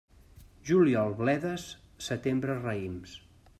Juliol, bledes; setembre, raïms.